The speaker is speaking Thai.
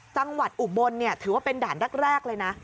จังหวัดอุบลถือว่าเป็นด่านแรกเลยนะ